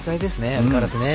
相変わらずね。